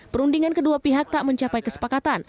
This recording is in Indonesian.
perundingan kedua pihak tak mencapai kesepakatan